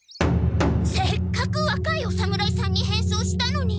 せっかく若いお侍さんに変装したのに！